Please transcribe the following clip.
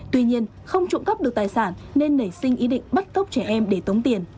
tuy nhiên không trộm cắp được tài sản nên nảy sinh ý định bắt cóc trẻ em để tống tiền